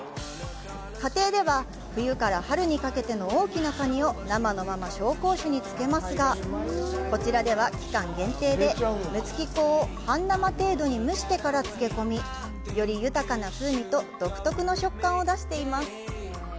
家庭では冬から春にかけての大きなカニを生のまま紹興酒に漬けますがこちらでは、期間限定で六月黄を半生程度に蒸してから漬け込みより豊かな風味と独特の食感を出しています。